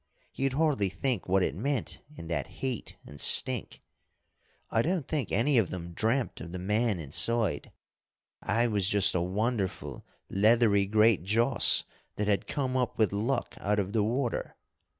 You'd hardly think what it meant in that heat and stink. I don't think any of them dreamt of the man inside. I was just a wonderful leathery great joss that had come up with luck out of the water.